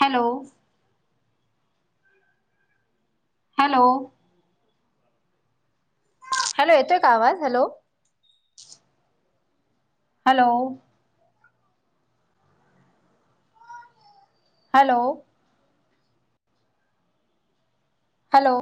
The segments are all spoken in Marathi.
हॅलो हॅलो हॅलो येतोय का आवाज hello? Hello hello hello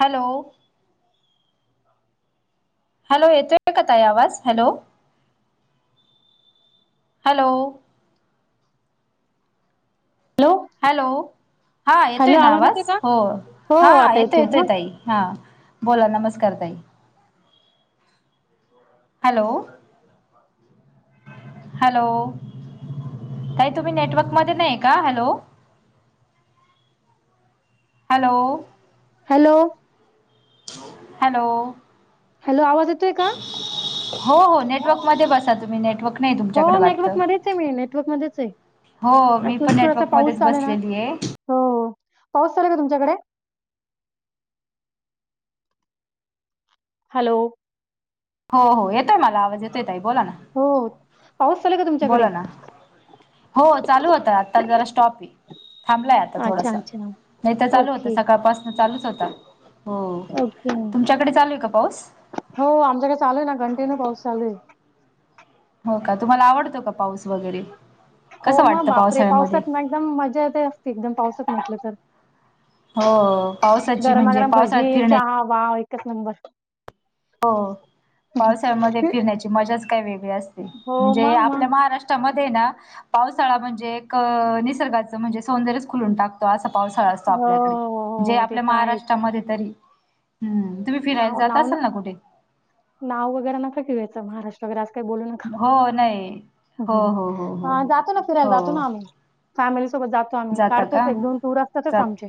hello hello येतोय का ताई आवाज हॅलो? हॅलो हॅलो हा येतोय ना आवाज हो हो हा आता येतोय येतोय ह ताई. हा बोला नमस्कार ताई. हॅलो हॅलो ताई तुम्ही नेटवर्कमध्ये नाहीये का? Hello. Hello. Hello hello hello आवाज येतोय का? हो हो नेटवर्क मध्ये बसा तुम्ही नेटवर्क नाही हो तुमच्याकडे वाटत. नेटवर्क मध्येच आहे मी नेटवर्क मध्येच आहे हो मी पण ऍक्च्युली थोडासा पाऊस नेटवर्कमध्येच चालू आहे ना बसलेली हे. हो पाऊस चालू का तुमच्याकडे? हॅलो हो हो येतोय मला आवाज येतोय ताई बोला ना. हो पाऊस चालूय का तुमच्याकडे? बोला ना हो चालू होता आता जरा स्टॉप आहे. थांबलंय आता अच्छा थोडंसं अच्छा नाही तर चालू होतं ओके सकाळ पास चालूच होता, हो ओके तुमच्याकडे चालू आहे का पाऊस? हो आमच्याकडे चालू आहे ना कंटीन्यू पाऊस चालू आहे. हो का तुम्हाला आवडतो का पाऊस वगैरे हो कसं मग वाटतं बापरे पावसाळ्यामध्ये? पावसात ना एकदम मजा येते असती एकदम पावसात म्हटलं तर. हो पावसाची म्हणजे गरमागरम भजी पावसाळ्यात फिरण्याची चहा वाव एकच नंबर. हो पावसाळ्यामध्ये फिरण्याची मजाच काय वेगळी असते हो म्हणजे मग मग आपल्या महाराष च्या मध्ये ना पावसाळा म्हणजे एक निसर्गाच म्हणजे सौंदर्य खुलून टाक. तेव्हा असं पावसाळा असतो हो आपल्याकडे, हो जे हो ते आपल्या तर आहे महाराष्ट्रामध्ये तरी हम्म. तुम्ही फियला नाव जात नाव असलं ना कुठे त नाव वगैरे नका घेऊ इथं कुणाचे वगैरे आज काही बोलू नखा हो नाही हम्म हो हो हो हम्म, हो आ हो जातो ना फिरायला जातो हो ना आम्ही. फॅमिली सोबत जातो आम्ही जाता काढतोच का एक दोन टूर असतातच जात आमचे.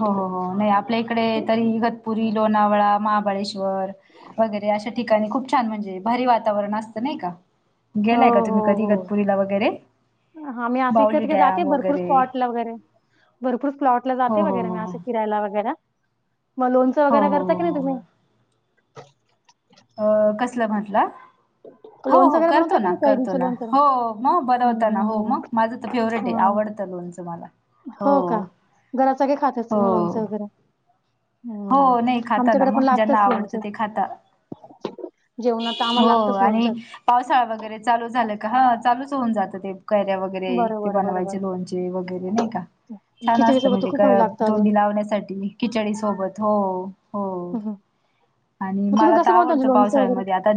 हो हो हो नाही आपल्या इकडे हो तरी इगतपुरी, लोणावळा, महाबळेश्वर. [unintelligible] वगैरे अशा ठिकाणी खूप छान म्हणजे भारी वातावरण असत नाही का? गेलाय का तुम्ही कधी इगतपुरीला वगैरे? हा मी असं इकडे बाऊली तिकडं जाते डॅम भरपूर वगैरे स्पॉटला वगैरे भरपूर प्लॉटला हो जाते हो वगैरे म हो असे फिरायला वगैरे मग लोनचं हो वगैरे हो करता हो की नाही हो हो हो. तुम्ही? अ कसलं म्हटला? हो लोणचं हो वगैरे बनवता करतो की ना नाही करतो कैरीचं ना लोणचं हो मग हम्म, बलवताना हो हम्म, मग माझं तर फेवरेट आहे हम्म. आवडतं. लोणचं घाला. हो का घराचं काही खात असतील हो मग लोणचं वगैरे हो हम्म. नाही खाता ना आमच्याकडे पण मग ज्यांना लागतंच आवडतं लोणचं ते खाता. जेवणात तर आम्हाला हो लागतंच आणि लोणचं पावसाळा वगैरे चालू झाल का ह चालूच होन जातं ते कैऱ्या वगैरे. वगैरे बरं ते बरं बरं बरं बनवायचे लोणचे वगैरे नाही का? छान खिचडी असतं सोबत तर म्हणजे खूप क भारी लागतं अजून. तोंडी लावण्यासाठी खिचडी सोबत. हो.. हो.. हं, हं. आणि मग तुम्ही मला तर कसं बनवता म्हणजे आवडतं लोणचं वगैरे? पावसाळ्यामध्ये आता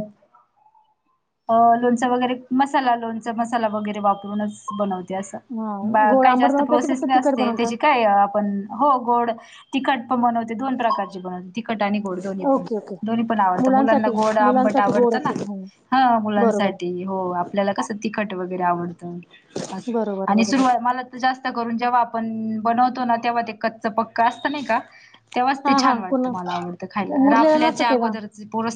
लोणचा वगैरे मसाला लोणचा मसाला वगैरे वापरूनच बनवतो. हां, गोड काही आंबट जास्त बनवता की प्रोसेस फक्त तिखट नसते बनवता? त्याची काय?. आपण हो गोड तिखट पण बनवते दोन प्रकारची बनवते तिखट आणि गोड दोन्ही पण. Okay, okay. दोन्ही पण आवडतं मुलांना मुलांसाठी गोड, आंबट मुलांसाठी गोड आवडतं ना असेल. हं. हा बरोबर, मुलांसाठी. हो आपल्याला कसं तिखट वगैरे आवडत बरोबर, आणि बरोबर. सुरवात मला जास्त करून जेव्हा आपण बनवतो ना तेव्हा ते कच्च पक्क असतं नाही का? तेव्हाच ते हां, छान हां. पुन्हा वाटतं मला आवडतं खायला रा मुरलेलं नसतं आपल्याच्या तेव्हा अगोदर.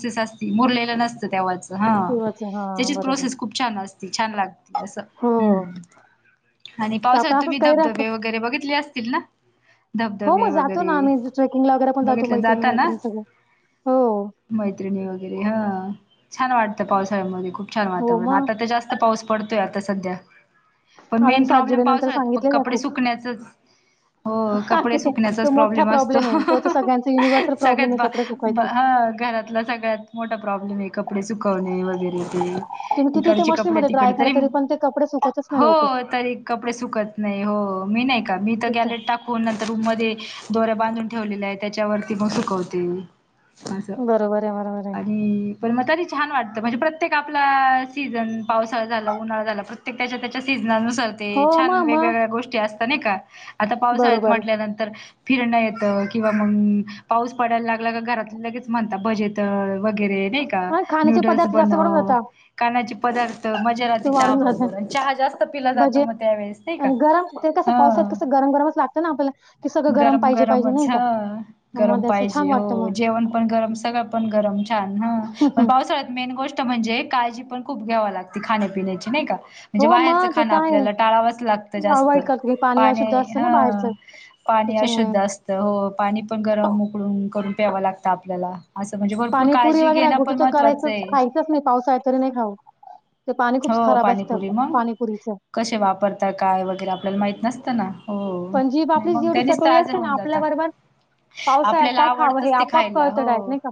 सेस अस मुरलेलं नसतं तेव्हा हा तेव्हाचं. हां, त्याचीच बरोबर. प्रोसेस खूप छान असते छान लागते असं हो, हो. हम्म आणि तर आपण पावसाळ्यात असंच तुम्ही काही राहतो. धबधबे वगैरे बघितले असतील ना? हो धबधबे मग जातो वगैरे ना आम्ही ट्रेकिंगला वगैरे पण जातो बघितले मैत्रिणी जाता ना मैत्रिणी सगळ हो. मैत्रिणी वगैरे ह छान वाटतं पावसाळ्यामध्ये खूप छान हो वातावरण मग. आता ते जास इथं पाऊस पडतोय आता सध्या. पण अजून मेन प्रॉब्लेम जुलैनंतर पावसाळ्यात प सांगितलेलं कपडे खूप. सुकण्याचच. हो हां, कपडे ते तो सुकण्याचाच मोठा प्रॉब्लेम असतो. आहे. तो तर सगळ्यांचा युनिव्हर्सल त सगळ्यात प्रॉब्लेम आहे कपडे ब सुकवायचा. हा घरात. त्यात सगळ्यात मोठा प्रॉब्लेम आहे कपडे सुकवणे वगैरे ते. तुम्ही किती ते इकडची कपडे मशीनमध्ये ड्राय तिकडं करा तरी पण ते कपडे सुकतच नाही हो लवकर तरी कपडे सुकत नाही हो मी नाही का मी तर तिथं गॅलत टाकून नंतर रूम म दोऱ्या बांधून ठेवलेलं आहे त्याच्यावरती मग सुकवते असं बरोबर आहे बरोबर आहे आणि पण मग तरी छान वाटतं, म्हणजे प्रत्येक आपला सीझन पावसाळा झालं, उन्हाळा झाला. प्रत ते त्याच्या त्याच्या सीझनानुसार. ते हो छान मग मग वेगवेगळ्या गोष्टी असतात नाही का? आता पावसाळ्यात बरोबर आहे म्हटल्यानंतर फिरण येत किंवा मग पाऊस पडायला लागला का घरात लगेच म्हणतात भजेतळ वगैरे नाही का? हा खाण्याचे न्यूडल्स पदार्थ जास्त वाढून बनव जातात खाणाचे पदार्थ. तर मजा ते राहती चहा वाढून बरोबर जातात आणि चहा जास्त पिला जातो भजे मग त्यावेेळेस नाही का? ह.. लागत ना आपल्याला की सगं गरम पाहिजे पाहिजे. नाही अच्छा. का गरम मग त्याचं छान पाहिजे वाटतं हो मग जेवण पण गरम, सगळं पण गरम, छान ह पण पावसाळ्यात मेन गोष्ट. म्हणजे काळजी पण खूप घ्यावा लागती खाण्यापिण्याची नाही का? म्हणजे हो बाहेरचं मग ते खाण तर आहे आपल्याला टाळावंच लागतं जास्त अवॉइड करतो की पाणी अशुद्ध असतं ना ह बाहेरचं पाणी त्याच्यामुळे अशुद्ध असतं हो पाणी पण गरम उकळून करून प्यावं लागतं आपल्याला. असं म्हणजे भरपूर काळजी घेणं पण महत्त्वाचं आहे. तस नाही पावसा तरी नाही खाऊ ते पाणी खूप हो खराब असतं पाणीपुरी मग पाणीपुरीचा. कसे वापरता काय वगैरे आपल्याला माहित नसतं ना. हो पण जीभ नाही आपलीच मग जेवढी त्यानीच तर चटोरी आजार असते ना होऊन जाता आपल्याबरोबर. पावसाळ्यात आपल्याला काय खावं हे, आवडतच ते आपोआप खायला कळत [unintelligible] हो. नाही का.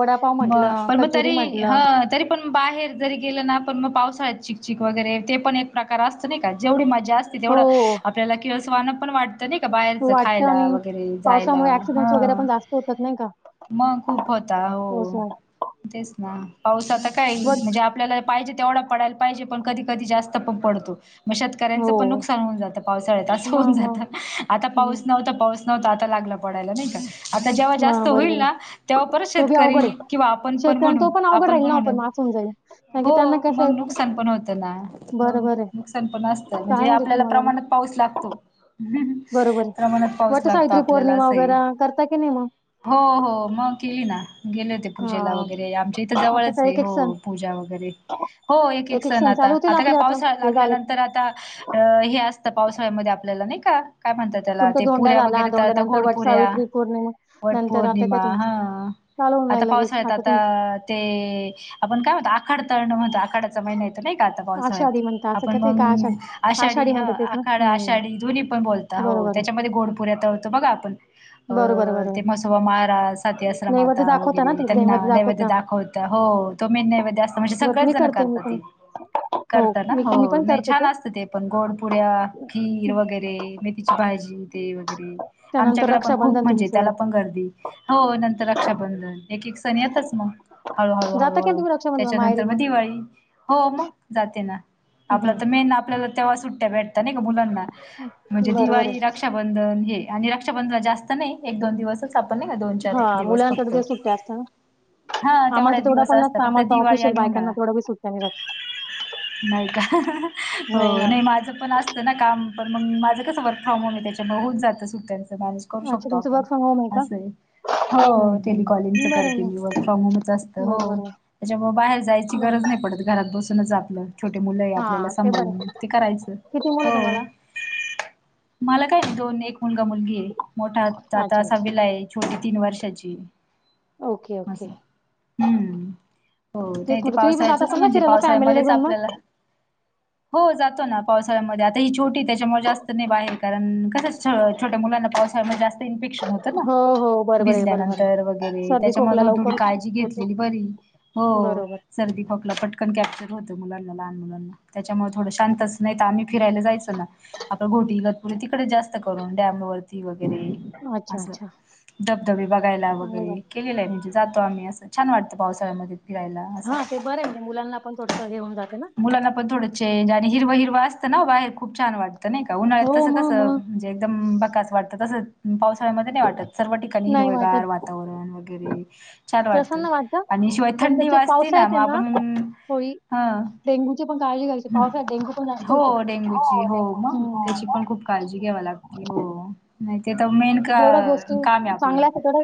वडापाव मग म्हटलं, पण मग कचोरी तरी ह म्हटलं तरी पण बाहेर जरी गेलं ना पण म पावसाळ्यात चिकचिक वगैरे ते पण एक प्रकार असतं नाही का जेवढी मा जास्त तेवढं, हो. आपल्याला किळस वान पण वाट ते नाही का, बाहेरच वाटतं खायला आणि वगैरे जायला पावसामुळे ऍक्सिडेंट्स वगैरे हं. पण जास्त होतात नाही का? म खूप होता हो. पावसाळ्यात. तेच ना पाऊसाता काय बट म्हणजे आपल्याला पाहिजे तेवढा पडायला पाहिजे पण कधी-कधी जास्त पण पडतो. म शेतकऱ्यांचं पण हो. नुकसान होऊन जातं पावसाळ्यात असं होऊन मग मग. जाता आता हं. पाऊस नव्हता पाऊस नव्हतं आता लागलं पडायला नाही का. आता जेव्हा जास्त मग होईल बरोबर आहे. ना तेव्हा परत तो बी शेतकरी अवघड आहे. किंवा आपण पण शेतकऱ्यांना म्हणू आपण पण म्हणू अगे त्यांना हो क मग नुकसान पण होतं ना. मग आहे. नुकसान पण असतं म्हणजे, काय म्हणते आपल्याला तुम्हाला मी? प्रमाणात पाऊस लागतो. बरोबर आहे. प्रमाणात पाऊस लागतो, आपल्याला असे ये. नी म हो हो. मग केली ना गेलेत. पूजेला हां. वगैरे आमच्या इथं, आता जवळच काय ये एक एक हो सण पूजा वगैरे. हो एक-एक एक एक सण आता चालू होतील आता काय आपले पाऊसा हे झालं लागल्यानंतर आता त हे असतं पावसाळ्यामध्ये आपल्याला नाही काय म्हणतात त्याला तुमचा ते धोंडा पुऱ्या झाला वगैरे तळता, धोंड्यानंतर गोड वट पुऱ्या सावित्री पौर्णिमा वट नंतर आता काय पौर्णिमा तुमचं हा. चालू होऊन आता जाईल लगेच पावसाळ्यात तुमचं आता ते, आपण काय म्हणतो आखाड तळणं म्हणतं आखाड्याचा महिना. ते नाही का, आता पाऊस. आषाढी म्हणता असं, करतात काय आषाढ. आषाढी हं. आखाडा आषाढी दोन्ही पण बोलतो. हो बरोबर आहे त्याच्यामध्ये गोडपूरी तळतो बघा आपण. अ बरोबर बरोबर ते मसवं माहरा, साती नैवेद्य आसरामाता दाखवता वगैरे ना ते त्यांना नैवेद्य दाखवता दाखवत. हो तो मेन नैवेद्य असतं म्हणजे बरं सगळ्याच मी जण करते कर मी पण हो करता ना मी हो मी पण नाही करते छान तो असत ते पण गोडपुड्या खीर वगैरे मेथीची भाजी ते वगैरे. त्यानंतर आमच्याकडे पण खूप रक्षाबंधन म्हणजे, तुमचं त्याला पण गर्दी हो नंतर रक्षाबंधन एक एक स सणातच मग, हळू हळू जाता का हळूहळू तुम्ही रक्षाबंधन माहेरी तेच्यानंतर मग दिवाळी. हो मग जाते ना हम्म, आपला तर मेन आपल्याला तेव्हा सुट्टया भेटतं नाही का मुलांना. म्हणजे हम्म. बरोबर दिवाळी आहे रक्षाबंधन हे आणि रक्षाबंधन जास्त नाही एक दोन दिवसच तापण नाही का दोन-चार हा दिवस मुलांना फक्त. तेवढ्या सुट्ट्या असतात हा ना आम्हाला तेवढ्या तर तेवढा दिवस असतात फक्त दिवाळी आणि उन्हाळा. बाहेरच नाही का हो नाही माझं पण अस त ना काम पण मग माझं कसं वर्क फ्रॉम होम आहे त्याच्यामुळं होऊन जातं सुट्टयांचा मॅनेज. करू अच्छा शकतो तुमचं आपण वर्क फ्रॉम होम आहे का असंय. हो हम्म, टेलिकॉलिंगचा हम्म. बरं आहे करते मग मी वर्क फ्रॉम होमच असतं हो. बरोबर आहे त्याच्यामुळे बाहेर जायची गरज बर नाही पडत. घरात बसूनच आपलं छोटे मुलं आहे हा आपल्याला ते बरं सभाळून ते करायचं किती मुलं हो. तुम्हाला मला काय दोन एक मुलगा मुलगी ये, मोठा आता अच्छा अच्छा सहावीला ये. छोटी तीन वर्षाची ये. ओके ओके असं हम्म हो तेच तेे ती म्हटलं तुम्ही पण जात पावसाळ्याचच असाल ना जे फिरायला फॅमिलीला पावसाळ्यामध्येच आपल्याला [inaudible] हो जातो ना पावसाळ्यामध्ये, आता ही छोटी तेच्यामुळे जास्त ने बाहेर कारण कसं असतं. छोट्या मुलांना पावसामुळे जास्त इंजेक्शन. हो हो बरोबर आहे बरोबर आहे भिजल्यानंतर वगैरे सर्दी खोकला त्याच्यामुळे लवकर काळजी होतो घेतलेली बरी हो. बरोबर सर्दी खोकला पटकन कॅप्चर होतं मुलांना लहान मुलांना त्याच्यामुळे थोडं शांतच. नाही तर आम्ही फिरायला जायचो ना आपलं घोटीगतपुरी तिकडे जास्त करून डॅम वरती वगैरे. अच्छा असं अच्छा धबधबे बघायला चांगलं वगैरे. झालं केलेला आहे म्हणजे जातो आम्ही असं छान वाटतं पावसाळ्यामध्ये फिरायला. असं. हा ते बरं म्हणजे मुलांना पण थोडसं हे होऊ जात ना. मुलांना पण थोडं चेंज आणि हिरवा हिरवा असतं ना बाहेर खूप न वात नाही का हो उन्हाळ्यात तस कस मग मग म्हणजे एकदम बकास वाटतं तस पास ळ म नाही वाटत सर्व ठिकाणी नाही हिरवेगार वाटत वातावरण वगैरे छान वाटतं. प्रसन्न वाटत आणि शिवाय पण थंडी त्याचे वाचते ना पावसाळ्यात मग आहे आपण थोडी हा डेंग्यूची पण काळजी घ्यायची पावसाळ्यात डेंग्यू पण जास्त हो होतो डेंगूची हो डेंग्यू. मग त्याची हम्म पण खूप काळजी घ्या लाग नाही तर मे जेवढ्या गोष्टी काम आहे आपलं चांगल्या असतात तेवढ्या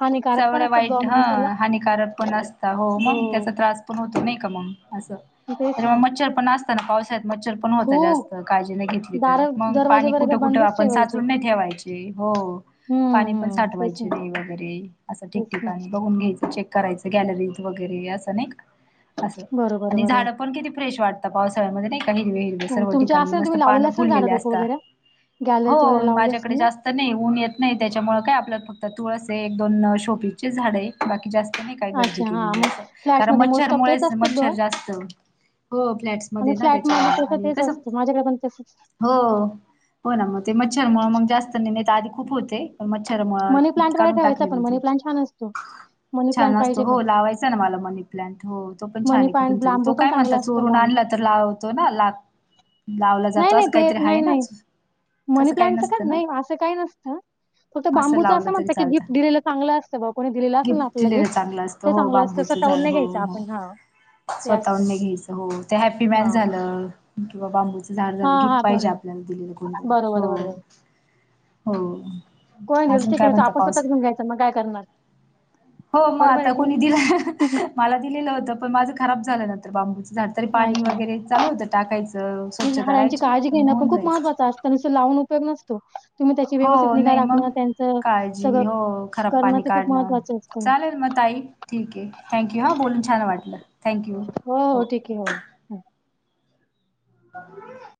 हानिकारक सवढ पण असतात बुवा वाईट ह माणसाला हानिकारक पण असत हो मग त्याचा त्रास होतं नाही का मग तेच तर मग ना मच्छर पण असतं ना पावसाळयात मच्छर. पण होत खूप जास्त काळजी नाही घेतली तर दार मग दरवाजे पाणी वगैरे कुठं कुठं बंदच आपण ठेवायचे. साचून नाही ठेवायचे हो. हम्म पाणी पण हम्म. तेच साठवायचे ना ते वगैरे असं तेच ना ठिकठिकाणी बघून घ्यायचं चेक करायचं गॅलरीज वगैरे असं नाहीका. असं बरोबर आणि बरोबर झाडं पण किती फ्रेश वाटतात पावसाळ्यामध्ये नाही का हिरवे हिरवी. हम्म, सर्व तुमचे ठिकाणी असेल ना मस्त तुम्ही पान लावलेले असेल ना झाडं फुललेले रोप असत वगैरे गॅलरीत हो वगैरे लावली असतील माझ्याकडे ना जास तर नाही ऊन येत नाही त्याच्यामु काय आपल्याला फक्त तुळस आहे एक दोन शोपीचे झाड आहे. बाकी जास्त नाही काय गर्दी अच्छा हा केलेली मग अस कारण फ्लॅटमध्ये मोस्ट ऑफ तेच मच्छरमुळेच असतात बुवा मच्छर जास्त हो आणि फ्लॅट्समध्ये ना फ्लॅटमध्ये त्याच्यामु तसं आणि तेच कसं असतं माझ्याकडे पण तसंच हो हो ना मग ते मच्छरमु मग जास्त नेमेत आधी खूप होते. पण मच्छर मनी प्लांट वगैरे काढून ठेवायचा टाकले पण म ते मनी प्लांट छान असतो मनी छान प्लांट असत पाहिजे हो पण लावायच मला मनी प्लांट हो तो पण छान मनी आहे कुठून प्लांट तरी तो बांबू पण काय म्हणता चांगला असतो चोरून बांबू आणला तर लाव होतो ना ला लावला नाही जातो नाही असं ते काहीतरी आहे नाही ना. नाही मनी तसं काही प्लांटचं का नसतं ना नाही असं काही नसतं. फक्त असं बांबूचा लावलं असा तरी म्हत की गिफ्ट चालतं दिलेलं चांगलं असतं बा कोणी दिलेलं असे ना आपला गिफ्ट दिलेलं चांगलं असतं ते हो चांगलं असतं बांबूचं स्वतःहून झाड नाही हो घ्यायचं हो आपण हा. ते असतं स्वतःहून नाही घ्यायचं हो ते हॅपी हा मॅन झालं किंवा बांबूचं झाड हा झाणू घीप हा पाहिजे बरोबर आपल्याला दिलं कोणतरी. बरोबर बरोबर हो कोण नाही अजून काय ठीकयच म्हणता आपण स्वत पाऊस घन घ जायचं मग काय करणार हो मग बरोबर आहे आता की कोणी दिला मला दिलेलं होतं पण माझ खराब झालं ना तर बांबूचं झाड तरी नाही पाणी ऐक ना वगैरे चालू होतं टाकायचं स्वच्छ धरायची तर मग होऊन जायचं. त्यादिवशी लावून उपयोग नसतो तुम्ही त्याची व्यवस्थित हो निघा नाही मग राखणं त्यांचं काळजी सगळं हो खराब करणं पाणी ते खूप काढणं महत्त्वाचं अस चालेल मग ताई ठीक आहे थँक्यू हा बोलून छान वाटलं थँक्यू. हो हो ठीके हो [inaudible]